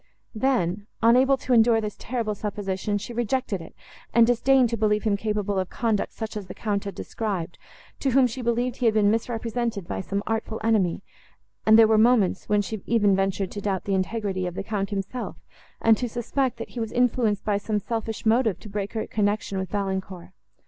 Then, unable to endure this terrible supposition, she rejected it, and disdained to believe him capable of conduct, such as the Count had described, to whom she believed he had been misrepresented by some artful enemy; and there were moments, when she even ventured to doubt the integrity of the Count himself, and to suspect, that he was influenced by some selfish motive, to break her connection with Valancourt.